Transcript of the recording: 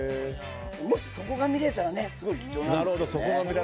もしそこが見れたらすごく貴重ですね。